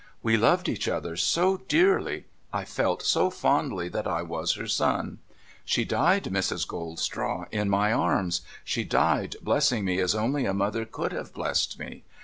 We loved each other so dearly — I felt so fondly that I was her son. She died, Mrs. Goldstraw, in my arms — she died hlessing me as only a mother could have blessed me.